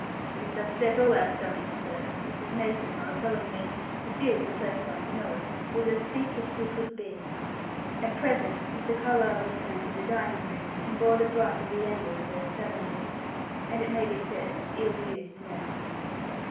It has upset all our stomachs, sir; Mrs. Mason while telling me for she was the first one to know it was as sick as she could be." At present Mr. Carlyle returned to the dining room, and bore the brunt of the anger of those savage, and it may be said, ill used men.